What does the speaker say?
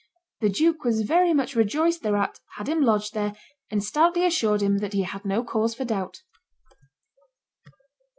The duke was very much rejoiced thereat, had him lodged there, and stoutly assured him that he had no cause for doubt."